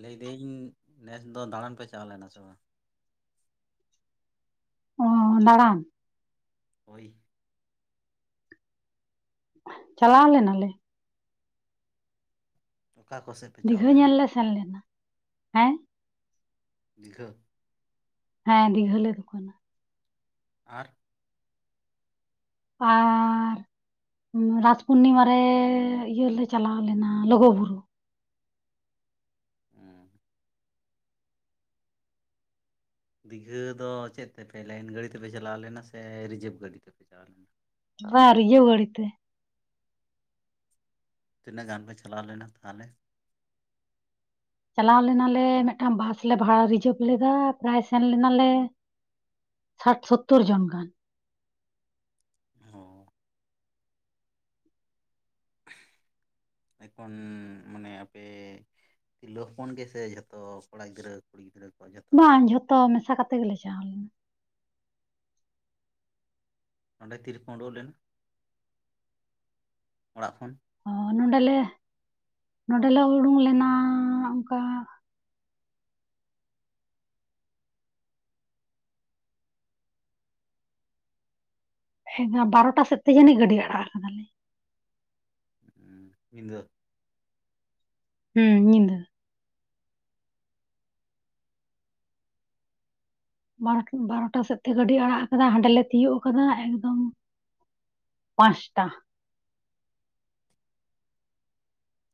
ᱞᱟᱹᱭ ᱮᱫᱟᱹᱧ ᱱᱮᱥ ᱫᱚ ᱫᱟᱬᱟᱱ ᱯᱮ ᱪᱟᱞᱟᱣ ᱞᱮᱱᱟ ᱥᱮ ᱵᱟᱝ? ᱚ ᱦᱚ ᱫᱟᱬᱟᱱ? ᱦᱳᱭ ᱾ ᱪᱟᱞᱟᱣ ᱞᱮᱱᱟ ᱞᱮ ᱾ ᱚᱠᱟ ᱠᱚᱥᱮᱫ? ᱯᱮ ᱪᱟᱣ ᱫᱤᱜᱷᱟᱹ ᱞᱮᱱᱟ ᱧᱮᱞ ᱞᱮ ᱥᱮᱱ ᱞᱮᱱᱟ ᱾ [inaudible] ᱦᱮᱸ? ᱫᱤᱜᱷᱟᱹ? ᱦᱮᱸ ᱫᱤᱜᱷᱟᱹ ᱞᱮ ᱫᱩᱠ ᱟᱱᱟ ᱾ ᱟᱨ? ᱟᱨᱻ ᱨᱟᱥ ᱯᱩᱨᱱᱤᱢᱟ ᱨᱮᱻ ᱤᱭᱟᱹ ᱞᱮ ᱪᱟᱞᱟᱣ ᱞᱮᱱᱟ ᱞᱩᱜᱩ ᱵᱩᱨᱩ ᱾ ᱦᱩᱸ ᱾ ᱫᱤᱜᱷᱟᱟᱹ ᱫᱚ ᱪᱮᱫ ᱛᱮᱯᱮ ᱞᱟᱭᱤᱱ ᱜᱟᱹᱰᱤ ᱛᱮᱯᱮ ᱪᱟᱞᱟᱣ ᱞᱮᱱᱟ ᱥᱮ ᱨᱤᱡᱟᱹᱵᱷ ᱜᱟᱹᱰᱤ ᱛᱮᱯᱮ ᱪᱟᱞᱟᱣ ᱞᱮᱱᱟ? ᱵᱟ ᱨᱤᱡᱟᱹᱵᱽ ᱜᱟᱹᱲᱤ ᱛᱮ ᱾ ᱛᱤᱱᱟᱹᱜ ᱜᱟᱱ ᱯᱮ ᱪᱟᱞᱟᱣ ᱞᱮᱱᱟ ᱛᱟᱦᱚᱞᱮ? ᱪᱟᱞᱟᱣ ᱞᱮᱱᱟᱞᱮ ᱢᱤᱫᱴᱟᱝ ᱵᱟᱥ ᱞᱮ ᱵᱷᱟᱲᱟ ᱨᱤᱡᱟᱹᱵᱷ ᱞᱮᱫᱟ ᱾ ᱯᱨᱟᱭ ᱥᱮᱱ ᱞᱮᱱᱟᱞᱮ ᱥᱟᱴ ᱥᱚᱛᱛᱳᱨ ᱡᱚᱱ ᱜᱟᱱ ᱾ ᱦᱚ ᱾ ᱮᱠᱷᱚᱱ ᱢᱟᱱᱮ ᱟᱯᱮ ᱛᱤᱨᱞᱟᱹ ᱦᱚᱯᱚᱱ ᱜᱮᱥᱮ ᱡᱷᱚᱛᱚ ᱠᱚᱲᱟ ᱜᱤᱫᱽᱨᱟᱹ ᱠᱩᱲᱤ ᱜᱤᱫᱽᱨᱟᱹ ᱠᱚ ᱡᱷᱚᱛ ᱵᱟᱝ ᱡᱷᱚᱛᱚ ᱢᱮᱥᱟ ᱠᱟᱛᱮᱜ ᱜᱮᱞᱮ ᱪᱟᱞᱟᱣ ᱞᱮᱱᱟ ᱾ ᱚᱸᱰᱮ ᱛᱤᱨᱮᱯᱮ ᱚᱰᱚᱝ ᱞᱮᱱᱟ [inaudible] ᱚᱲᱟᱜ ᱠᱷᱚᱱ? ᱚ ᱱᱚᱸᱰᱮᱞᱮ [inaudible] ᱱᱚᱸᱰᱮᱞᱮ ᱩᱰᱩᱝ ᱞᱮᱱᱟ ᱚᱱᱠᱟ [unintelligible] ᱵᱟᱨᱚᱴᱟ ᱥᱮᱫ ᱛᱮ ᱡᱟᱹᱱᱤᱡ ᱜᱟᱹᱰᱤ ᱟᱲᱟᱜ ᱟᱠᱟᱫᱟ ᱞᱮ ᱾ ᱦᱩᱸ, ᱧᱤᱫᱟᱹ? ᱦᱩᱸᱢ ᱧᱤᱫᱟᱹ ᱾ ᱵᱟᱨ ᱵᱟᱨᱚᱴᱟ ᱥᱮᱫ ᱛᱮ ᱜᱟᱹᱰᱤ ᱟᱲᱟᱜ ᱟᱠᱟᱫᱟ ᱦᱟᱸᱰᱮᱞᱮ ᱛᱤᱭᱳᱜ ᱟᱠᱟᱫᱟ ᱮᱠᱫᱚᱢ ᱯᱟᱥᱴᱟ ᱾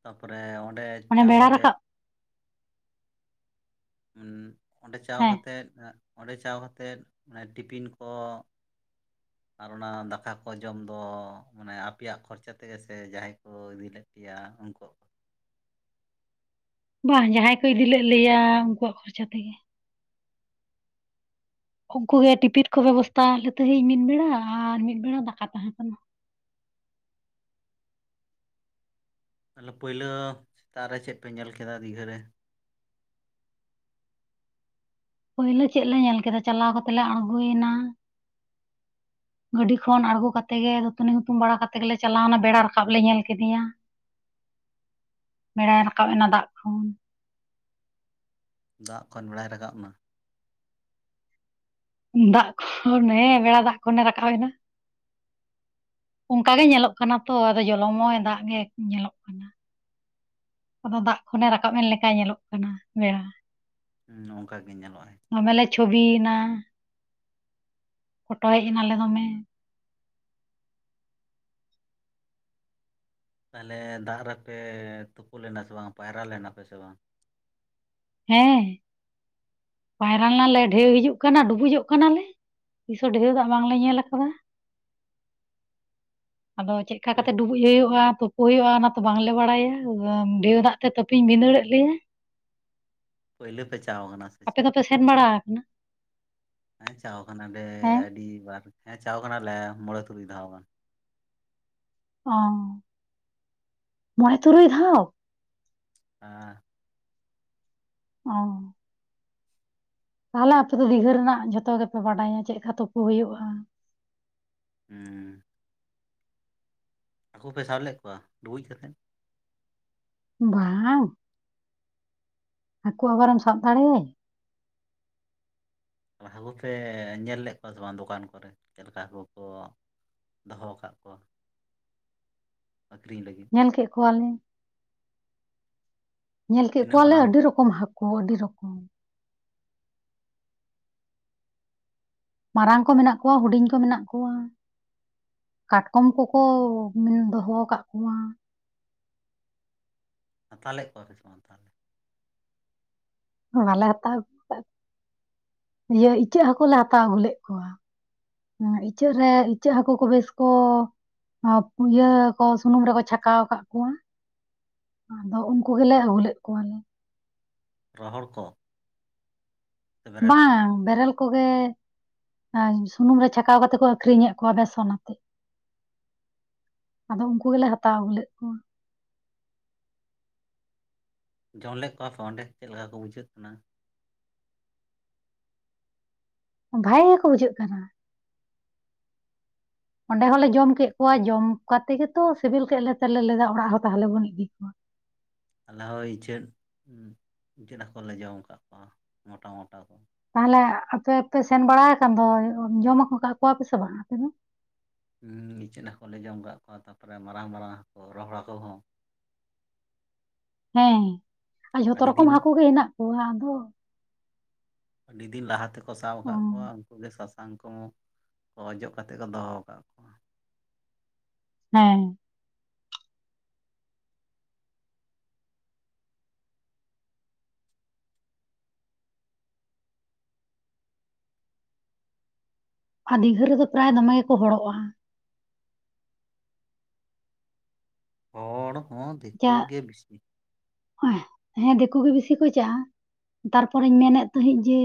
ᱛᱟᱯᱚᱨᱮ ᱚᱸᱰᱮ ᱢᱟᱱᱮ ᱪᱟᱣ ᱵᱮᱲᱟ ᱠᱟᱛᱮᱫ ᱨᱟᱠᱟᱵ ᱩᱸᱜ ᱚᱸᱰᱮ ᱪᱟᱣ ᱦᱮᱸ ᱠᱟᱛᱮᱫ ᱮᱸᱜ ᱚᱸᱰᱮ ᱪᱟᱣ ᱠᱟᱛᱮᱫ ᱚᱱᱮ ᱴᱤᱯᱤᱱ ᱠᱚ [inaudible] ᱟᱨ ᱚᱱᱟ ᱫᱟᱠᱟ ᱠᱚ ᱡᱚᱢ ᱫᱚ ᱚᱱᱮ ᱟᱯᱮᱭᱟᱜ ᱠᱷᱚᱨᱪᱟ ᱛᱮᱜᱮ ᱥᱮ ᱡᱟᱦᱟᱸᱭ ᱠᱚ ᱤᱫᱤᱞ ᱞᱮᱫ ᱯᱮᱭᱟ ᱩᱱᱠᱩᱣᱟᱜ ᱾ ᱵᱟᱝ ᱡᱟᱦᱟᱭ ᱠᱚ ᱤᱫᱤ ᱞᱮᱫ ᱞᱮᱭᱟ ᱩᱱᱠᱩᱣᱟᱜ ᱠᱷᱚᱨᱪᱟ ᱛᱮᱜᱮ᱾ ᱩᱱᱠᱩᱜ ᱜᱮ ᱴᱤᱯᱤᱱ ᱠᱚ ᱵᱮᱵᱚᱥᱛᱟ ᱟᱞᱮ ᱛᱟᱸᱦᱤᱡ ᱢᱤᱫ ᱵᱮᱲᱟ ᱟᱨ ᱢᱤᱫ ᱵᱮᱲᱟ ᱫᱟᱠᱟ ᱛᱟᱦᱮᱸ ᱠᱟᱱᱟ᱾ ᱛᱟᱦᱟᱞᱮ ᱯᱟᱹᱭᱞᱟᱹ ᱥᱮᱛᱟᱜ ᱨᱮ ᱪᱮᱫ ᱯᱮ ᱧᱮᱞ ᱠᱮᱫᱟ ᱫᱤᱜᱷᱟᱹᱨᱮ? ᱯᱟᱹᱭᱞᱟᱹ ᱪᱮᱫ ᱞᱮ ᱧᱮᱞ ᱠᱮᱫᱟ ᱪᱟᱞᱟᱣ ᱠᱟᱛᱮ ᱞᱮ ᱟᱬᱜᱚᱭᱮᱱᱟ᱾ [inaudible] ᱜᱟᱹᱰᱤ ᱠᱷᱚᱱ ᱟᱬᱜᱳ ᱠᱟᱛᱮ ᱜᱮ ᱫᱟᱹᱛᱟᱹᱱᱤ ᱦᱩᱛᱩᱢ ᱵᱟᱲᱟ ᱠᱟᱛᱮ ᱜᱮᱞᱮ ᱪᱟᱞᱟᱣᱱᱟ ᱵᱮᱲᱟ ᱨᱟᱠᱟᱵ ᱞᱮ ᱧᱮᱞ ᱠᱮᱫᱮᱭᱟ ᱾ [inaudible] ᱵᱮᱲᱟᱭ ᱨᱟᱠᱟᱵ ᱮᱱᱟ ᱫᱟᱜ ᱠᱷᱚᱱ ᱾ ᱫᱟᱜ ᱠᱷᱚᱱ ᱵᱮᱲᱟᱭ ᱨᱟᱠᱟᱵ ᱱᱟ᱾ ᱫᱟᱜ ᱠᱷᱚᱱ ᱦᱮᱸ ᱵᱮᱲᱟ ᱫᱟᱜ ᱠᱷᱚᱱᱮ ᱨᱟᱠᱟᱵ ᱮᱱᱟ ᱾ ᱚᱝᱠᱟ ᱜᱮ ᱧᱮᱞᱚᱜ ᱠᱟᱱᱟ ᱛᱚ ᱟᱫᱚ ᱡᱚᱞᱚᱢᱚᱭ ᱫᱟᱜ ᱜᱮ ᱧᱮᱞᱚᱜ ᱠᱟᱱᱟ ᱾ ᱟᱫᱚ ᱫᱟᱜ ᱠᱷᱚᱱᱮ ᱨᱟᱠᱟᱵ ᱮᱱ ᱞᱮᱠᱟᱭ ᱧᱮᱞᱚᱜ ᱠᱟᱱᱟ ᱵᱮᱲᱟ ᱾ ᱦᱩᱸ ᱚᱝᱠᱟ ᱜᱮ ᱧᱮᱞᱚᱜ ᱟᱭ ᱾ ᱫᱚᱢᱮ ᱞᱮ ᱪᱷᱚᱵᱤᱭᱱᱟ, ᱯᱷᱚᱴᱚ ᱦᱮᱡ ᱮᱱᱟᱞᱮ ᱫᱚᱢᱮ ᱾ ᱛᱟᱦᱟᱠᱮ ᱫᱟᱜ ᱨᱮᱯᱮ ᱛᱩᱯᱩ ᱞᱮᱱᱟ ᱥᱮ ᱵᱟᱝ ᱯᱟᱭᱨᱟ ᱞᱮᱱᱟ ᱯᱮ ᱥᱮ ᱵᱟᱝ? ᱦᱮᱸ ᱾ ᱯᱟᱭᱨᱟ ᱞᱮᱱᱟᱞᱮ ᱰᱷᱮᱣ ᱦᱤᱡᱩᱜ ᱠᱟᱱᱟ ᱰᱩᱵᱩᱡᱚᱜ ᱠᱟᱱᱟᱞᱮ ᱛᱤᱥᱚ ᱰᱷᱮᱶ ᱫᱟᱜ ᱵᱟᱝᱞᱮ ᱧᱮᱞ ᱟᱠᱟᱫᱟ ᱟᱫᱚ ᱪᱮᱜᱠᱟ ᱯᱳᱭ ᱠᱟᱛᱮ ᱰᱩ ᱵᱩᱡ ᱦᱩᱭᱳᱜᱼᱟ ᱛᱳᱯᱳ ᱦᱳᱭᱳᱜᱼᱟ ᱚᱱᱟ ᱛᱚ ᱵᱟᱝᱞᱮ ᱵᱟᱲᱟᱭᱟ, ᱵᱟᱢ ᱰᱷᱮᱣ ᱫᱟᱜ ᱛᱮ ᱛᱟᱹᱯᱤᱧ ᱵᱷᱤᱸᱫᱟᱹᱲᱮᱫ ᱞᱮᱭᱟᱭ᱾ ᱯᱟᱹᱭᱞᱟᱹ ᱯᱮ ᱪᱟᱣ ᱠᱟᱱᱟ ᱥᱮ ᱟᱯᱮ ᱪᱮᱫ? ᱫᱚᱯᱮ ᱥᱮᱱ ᱵᱟᱲᱟ ᱟᱠᱟᱱᱟ ᱦᱮᱸ ᱪᱟᱣ ᱠᱟᱱᱟᱞᱮ ᱦᱮᱸ ᱟᱹᱰᱤ ᱵᱟᱨ ᱾ ᱦᱮᱸ ᱪᱟᱣ ᱠᱟᱱᱟᱞᱮ ᱢᱚᱸᱬᱮ ᱛᱩᱨᱩᱭ ᱫᱷᱟᱣ ᱾ ᱚᱻ ᱢᱚᱸᱬᱮ ᱛᱩᱨᱩᱭ ᱫᱷᱟᱣ! ᱦᱮᱸ ᱾ ᱚᱸ ᱾ ᱛᱟᱦᱟᱞᱮ ᱟᱯᱮ ᱫᱚ ᱫᱤᱜᱷᱟᱹ ᱨᱮᱱᱟᱜ ᱡᱷᱚᱛᱚ ᱜᱮᱯᱮ ᱵᱟᱰᱟᱭᱟ ᱪᱮᱫᱠᱟ ᱛᱩᱯᱩ ᱦᱩᱭᱩᱜᱼᱟ ᱦᱩᱸᱻ ᱾ ᱦᱟᱠᱳ ᱯᱮ ᱥᱟᱵ ᱞᱮᱫ ᱠᱚᱣᱟ ᱰᱩᱵᱩᱡ ᱠᱟᱛᱮᱫ? ᱵᱟᱸᱝ ᱾ ᱦᱟᱠᱳ ᱟᱵᱟᱨᱮᱢ ᱥᱟᱵ ᱫᱟᱲᱮᱟᱭᱟ! ᱛᱚ ᱦᱟᱠᱩ ᱯᱮ ᱧᱮᱞ ᱞᱮᱫ ᱠᱚᱣᱟ ᱥᱮ ᱵᱟᱝ ᱫᱚᱠᱟᱱ ᱠᱚᱨᱮ ᱪᱮᱞᱠᱟ ᱦᱟᱹᱠᱩ ᱠᱚ ᱫᱚᱦᱚᱸ ᱟᱠᱟᱜ ᱠᱚᱣᱟ ᱟᱹᱠᱨᱤᱧ ᱞᱟᱹᱜᱤᱫ ᱾ ᱧᱮᱞ ᱠᱮᱜ ᱠᱚᱣᱟᱞᱮ ᱧᱮᱞ ᱠᱮᱜ ᱛᱤᱱᱟᱹᱜ ᱠᱚᱣᱟᱞᱮ ᱢᱟᱨᱟᱝ ᱟᱹᱰᱤ ᱢᱟᱨᱟᱝ ᱨᱚᱠᱚᱢ ᱦᱟᱹᱠᱩ ᱟᱹᱰᱤ ᱨᱚᱠ᱾ ᱢᱟᱨᱟᱝ ᱠᱚ ᱢᱮᱱᱟᱜ ᱠᱚᱣᱟ ᱦᱩᱰᱤᱧ ᱠᱚ ᱢᱮᱱᱟᱜ ᱠᱚᱣᱟ᱾ ᱠᱟᱴᱠᱚᱢ ᱠᱟᱠᱚ ᱫᱚᱦᱚᱸ-ᱟᱠᱟᱜ ᱠᱚᱣᱟ ᱾ ᱦᱟᱛᱟᱣ ᱞᱮᱜ ᱠᱚᱣᱟ ᱯᱮ ᱥᱮ ᱵᱟᱝ ᱛᱟᱦᱚᱞᱮ? ᱵᱟᱞᱮ ᱦᱟᱛᱟᱣ ᱟᱹᱜᱩ ᱠᱟᱜ ᱠᱚᱭᱟ, ᱤᱭᱟᱹ ᱤᱪᱟᱹᱜ ᱦᱟᱹᱠᱩ ᱞᱮ ᱦᱟᱛᱟᱣ ᱟᱹᱜᱩ ᱞᱮᱜ ᱠᱚᱣᱟ ᱾ ᱱᱚᱭᱟ ᱤᱪᱟᱹᱜ ᱨᱮ ᱤᱪᱟᱹᱜ ᱦᱟᱹᱠᱩ ᱠᱚ ᱵᱮᱥ ᱠᱚ ᱟᱸ ᱯᱩᱭᱟᱹ ᱠᱚ ᱥᱩᱱᱩᱢ ᱨᱮᱠᱚ ᱪᱷᱟᱠᱟᱣ ᱟᱠᱟᱜ ᱠᱚᱣᱟ, ᱟᱫᱚ ᱩᱱᱠᱩ ᱜᱮᱞᱮ ᱟᱹᱜᱩ ᱞᱮᱫ ᱠᱚᱣᱟᱞᱮ ᱾ ᱨᱚᱦᱚᱲ ᱠᱚ? ᱥᱮ ᱵᱮᱨᱮᱞ ᱠᱚ ᱵᱟᱝ, ᱵᱮᱨᱮᱞ ᱠᱚᱜᱮ᱾ ᱟᱨ ᱥᱩᱱᱩᱢ ᱨᱮ ᱪᱷᱟᱠᱟᱣ ᱠᱟᱛᱮ ᱠᱚ ᱟᱠᱷᱨᱤᱧ ᱮᱜ ᱠᱚᱣᱟ ᱵᱮᱥᱚᱱ ᱟᱛᱮᱜ, ᱟᱫᱚ ᱩᱝᱠᱩ ᱜᱮᱞᱮ ᱦᱟᱛᱟᱣ ᱟᱹᱜᱩ ᱞᱮᱫ ᱠᱚᱣᱟ ᱾ ᱡᱚᱢ ᱞᱮᱜ ᱠᱚᱣᱟᱯᱮ ᱚᱸᱰᱮ ᱪᱮᱫ ᱞᱮᱠᱟ ᱠᱚ ᱵᱩᱡᱷᱟᱹᱜ ᱠᱟᱱᱟ? ᱵᱷᱟᱜᱮ ᱜᱮᱠᱚ ᱵᱩᱡᱷᱟᱹᱜ ᱠᱟᱱᱟ ᱾ ᱚᱸᱰᱮ ᱦᱚᱞᱮ ᱡᱚᱢ ᱠᱮᱫ ᱠᱚᱣᱟ ᱡᱚᱢ ᱠᱟᱛᱮ ᱜᱮᱛᱚ ᱥᱮᱵᱮᱞ ᱠᱮᱫ ᱞᱮᱛᱮ ᱞᱮ ᱞᱟᱹᱭᱫᱟ ᱚᱲᱟᱜ ᱦᱚᱸ ᱛᱟᱦᱚᱞᱮ ᱵᱚᱱ ᱤᱫᱤ ᱠᱚᱣᱟ ᱾ ᱟᱞᱮ ᱦᱚᱸ ᱤᱪᱟᱹᱜ, ᱤᱪᱟᱹᱫ ᱦᱟᱸᱠᱳ ᱞᱮ ᱡᱚᱢ ᱠᱟᱜ ᱠᱚᱣᱟ ᱢᱚᱴᱟ ᱢᱚᱴᱟ ᱠᱚ ᱾ ᱛᱟᱦᱞᱮ ᱟᱯᱮ ᱯᱮ ᱥᱮᱱ ᱵᱟᱲᱟ ᱠᱟᱱ ᱫᱚ ᱡᱚᱢ ᱟᱹᱜᱩᱠᱟᱜ ᱠᱚᱣᱟᱯᱮ ᱥᱮ ᱵᱟᱝ ᱟᱯᱮ ᱫᱚ? ᱩᱸ ᱤᱪᱟᱹᱜ ᱦᱟᱹᱠᱩ ᱞᱮ ᱡᱚᱢ ᱠᱟᱜ ᱠᱚᱣᱟ ᱛᱟᱯᱚᱨᱮ ᱢᱟᱨᱟᱝ ᱢᱟᱨᱟᱝ ᱦᱟᱹᱠᱩ ᱨᱚᱦᱚᱲ ᱦᱟᱹᱠᱩ ᱦᱚᱸ ᱾ ᱦᱮᱸ ᱟᱸ ᱡᱷᱚᱛᱚ ᱟᱹᱰᱤ ᱨᱚᱠᱚᱢ ᱫᱤᱱ ᱦᱟᱹᱠᱩ ᱜᱮ ᱦᱮᱱᱟᱜ ᱠᱚᱣᱟ ᱟᱫᱚ ᱟᱹᱰᱤ ᱫᱤᱱ ᱞᱟᱦᱟ ᱛᱮᱠᱚ ᱥᱟᱵ ᱟᱠᱟᱫ ᱠᱚᱣᱟ ᱚᱸ, ᱩᱱᱠᱩ ᱜᱮ ᱥᱟ ᱛᱟᱝ ᱠᱚ ᱚᱡᱚᱜ ᱠᱟᱛᱮ ᱠᱚ ᱫᱚᱦᱚ ᱟᱠᱟᱫ ᱠᱚᱣᱟ᱾ ᱦᱮᱸ᱾ ᱟ ᱫᱤᱜᱟᱹ ᱨᱮᱫᱚ ᱯᱨᱟᱭ ᱫᱚᱢᱮ ᱜᱮᱠᱚ ᱦᱚᱲᱚᱜᱼᱟ᱾ ᱦᱚᱲ ᱦᱚ ᱫᱮᱠᱳ ᱜᱮ ᱵᱤᱥᱤ᱾ ᱮᱦ ᱦᱮᱸ ᱜᱮ ᱵᱤᱥᱤ ᱪᱟᱜᱼᱟ᱾ ᱛᱟᱨᱯᱚᱨᱮᱧ ᱢᱮᱱᱮᱫ ᱛᱟᱦᱮᱸᱫ ᱡᱮ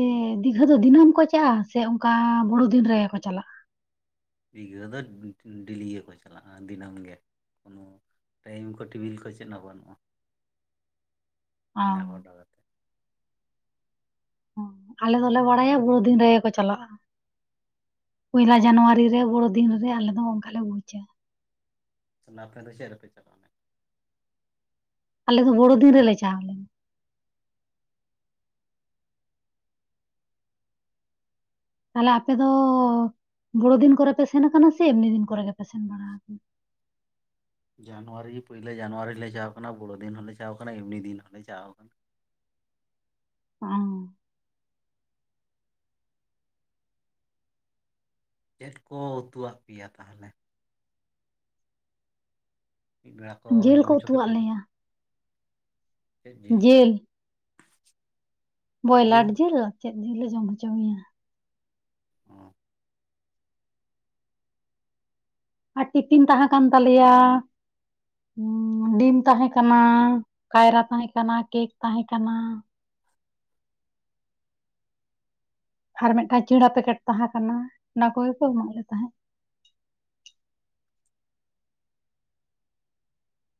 ᱫᱤᱜᱷᱟᱹ ᱫᱚ ᱫᱤᱱᱟᱹᱢ ᱠᱚ ᱪᱟᱜᱼᱟ ᱥᱮ ᱚᱱᱠᱟ ᱵᱳᱲᱳ ᱫᱤᱱ ᱨᱮ ᱠᱚ ᱪᱟᱞᱟᱜᱼᱟ? ᱫᱤᱜᱟᱹ ᱫᱚ ᱰᱮᱞᱤ ᱜᱮᱠᱚ ᱪᱟᱞᱟᱜᱼᱟ ᱫᱤᱱᱟᱹᱢ ᱜᱮ ᱠᱳᱱᱳ ᱴᱟᱭᱤᱢ ᱠᱚ ᱴᱤᱵᱤᱞ ᱠᱚ ᱪᱮᱫ ᱦᱚᱸ ᱵᱟᱹᱱᱩᱜᱼᱟ ᱚ [unintelligible] ᱠᱟᱛᱮ᱾ ᱟᱞᱮ ᱫᱚᱞᱮ ᱵᱟᱲᱟᱭᱟ ᱵᱚ ᱫᱤᱱ ᱨᱮᱜᱮ ᱠᱚ ᱪᱟᱞᱟᱜᱼᱟ᱾ ᱯᱚᱭᱞᱟ ᱡᱟᱱᱩᱣᱟᱨᱤ ᱨᱮ ᱵᱚᱲᱚ ᱫᱤᱱ ᱨᱮ ᱟᱞᱮ ᱫᱚ ᱚᱱᱠᱟ ᱞᱮ ᱵᱩᱪᱟ᱾ ᱛᱟᱦᱞᱮ ᱟᱯᱮ ᱫᱚ ᱪᱮᱜ ᱨᱮᱯᱮ ᱪᱟᱞᱟᱣ ᱞᱮᱱᱟ? ᱟᱞᱮ ᱫᱚ ᱵᱚᱲᱚ ᱫᱤᱱ ᱨᱮᱞᱮ ᱪᱟᱣᱞᱮᱱᱟ᱾ ᱛᱟᱦᱚᱞᱮ ᱟᱯᱮ ᱫᱚ ᱵᱚᱲᱚ ᱫᱤᱱ ᱠᱚᱨᱮᱯᱮ ᱥᱮᱱ ᱟᱠᱟᱱᱟ ᱥᱮ ᱮᱢᱱᱤ ᱫᱤᱱ ᱠᱚᱨᱮ ᱜᱮᱯᱮ ᱥᱮᱱ ᱵᱟᱲᱟ ᱟᱠᱟᱱᱟ? ᱡᱟᱱᱩᱣᱟᱨᱤ ᱯᱳᱭᱞᱳ ᱡᱟᱱᱩᱣᱟᱨᱤ ᱞᱮ ᱪᱟᱣ ᱟᱠᱟᱱᱟ ᱵᱚᱲᱚ ᱫᱤᱱ ᱦᱚᱸᱞᱮ ᱪᱟᱣ ᱟᱠᱟᱱᱟ ᱮᱢᱱᱤ ᱫᱤᱱ ᱦᱚᱸᱞᱮ ᱪᱟᱣ ᱟᱠᱟᱱᱟ᱾ ᱦᱮ, ᱪᱮᱫ ᱠᱚ ᱩᱛᱩᱣᱟᱜ ᱯᱮᱭᱟ ᱛᱟᱦᱞᱮ? ᱢᱤᱫ ᱵᱮᱲᱟ ᱠᱚ ᱚ ᱡᱤᱞ ᱡᱚᱢ ᱦᱚᱪᱚ ᱠᱮᱫ ᱩᱛᱩᱣᱟᱜ ᱯᱮ ᱫᱚ ᱞᱮᱭᱟ ᱪᱮᱫ ᱡᱤᱞ? ᱵᱚᱭᱞᱟᱨ ᱡᱤᱞ ᱟᱨ ᱪᱮᱫ ᱡᱤᱞᱮ ᱡᱚᱢ ᱦᱚᱪᱚ ᱢᱮᱭᱟ? ᱚᱻ ᱟᱨ ᱴᱤᱯᱷᱤᱱ ᱛᱟᱦᱮᱸ ᱠᱟᱱ ᱛᱟᱞᱮᱭᱟ᱾ ᱰᱤᱢ ᱛᱟᱦᱮᱸ ᱠᱟᱱᱟ ᱠᱟᱭᱨᱟ ᱛᱟᱦᱮᱸ ᱠᱟᱱᱟ ᱠᱮᱠ ᱛᱟᱦᱮᱸ ᱠᱟᱱᱟ᱾ ᱟᱨ ᱢᱤᱫᱴᱟᱝ ᱪᱮᱲᱟ ᱯᱮᱠᱮᱴ ᱛᱟᱦᱮᱸ ᱠᱟᱱᱟ ᱚᱱᱟ ᱠᱚᱜᱮ ᱠᱚ ᱮᱢᱟᱜ ᱞᱮ ᱛᱟᱦᱮᱸᱫ᱾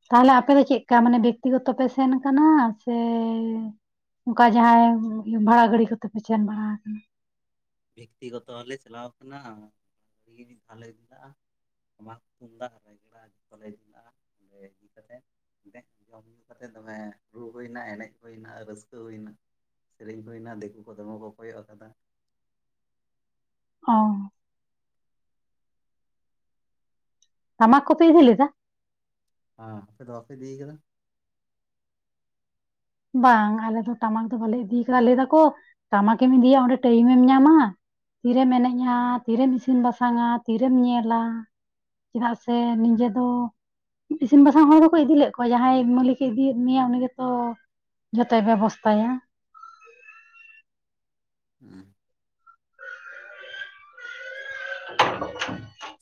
ᱛᱟᱦᱚᱞᱮ ᱟᱯᱮ ᱫᱚ ᱪᱮᱫᱠᱟ ᱢᱟᱱᱮ ᱵᱮᱠᱛᱤᱜᱚᱛᱚ ᱯᱮ ᱥᱮᱱ ᱠᱟᱱᱟ ᱥᱮ ᱚᱱᱠᱟ ᱡᱟᱦᱟᱸᱭ ᱵᱷᱟᱲᱟ ᱜᱟᱹᱰᱤ ᱠᱚᱛᱮ ᱯᱮ ᱥᱮᱱ ᱵᱟᱲᱟ ᱟᱠᱟᱱᱟ? ᱵᱮᱠᱛᱤ ᱜᱚᱛᱚ ᱞᱮ ᱪᱟᱞᱟᱣ ᱟᱠᱟᱱᱟ᱾ [unintelligible] [unintelligible] ᱫᱮᱡ ᱡᱚᱢ ᱧᱩ ᱠᱟᱛᱮ ᱫᱚᱢᱮ ᱨᱩ ᱦᱩᱭᱮᱱᱟ ᱮᱱᱮᱡ ᱦᱩᱭᱮᱱᱟ ᱨᱟᱹᱥᱨᱟᱹ ᱦᱩᱭᱮᱱᱟ᱾ ᱥᱮᱨᱮᱧ ᱦᱩᱭᱱᱟ ᱫᱤᱠᱩ ᱠᱚ ᱫᱚᱢᱮ ᱠᱚ ᱠᱚᱭᱚᱜ ᱟᱠᱟᱫᱟ᱾ ᱚᱻ ᱛᱟᱢᱟᱠ ᱠᱚᱯᱮ ᱤᱫᱤ ᱞᱮᱫᱟ? ᱦ ᱟᱯᱮ ᱫᱚ ᱵᱟᱯᱮ ᱤᱫᱤ ᱟᱠᱟᱫᱟ? ᱵᱟᱝ ᱟᱞᱮ ᱫᱚ ᱴᱟᱢᱟᱠ ᱫᱚ ᱵᱟᱞᱮ ᱤᱫᱤᱠᱟᱫᱟᱞᱟᱠᱚ ᱴᱟᱢᱟᱠᱮᱢ ᱤᱫᱤᱭᱟ ᱚᱸᱰᱮ ᱴᱟᱭᱤᱢᱢ ᱧᱟᱢᱟ᱾ ᱛᱤᱨᱮᱢ ᱮᱱᱮᱡᱼᱟ ᱛᱤᱨᱮᱢ ᱤᱥᱤᱱ ᱵᱟᱥᱟᱝᱼᱟ ᱛᱤᱨᱮᱢ ᱧᱮᱞᱟ᱾ ᱪᱮᱫᱟᱜ ᱥᱮ ᱱᱤᱡᱮ ᱫᱚ᱾ ᱤᱥᱤᱱ ᱵᱟᱥᱟᱝ ᱦᱚᱲ ᱦᱚᱠᱚ ᱤᱫᱤᱞᱮᱜ ᱠᱚᱣᱟ ᱡᱟᱦᱟᱸᱭ ᱢᱟᱹᱞᱤᱠᱮ ᱤᱫᱤᱭᱮᱫ ᱢᱮᱭᱟ ᱩᱱᱤ ᱜᱮᱛᱚ᱾ ᱡᱚᱛᱚᱭ ᱵᱮᱵᱚᱥᱛᱷᱟᱭᱟ᱾ ᱦᱮᱸ᱾ [unintelligible]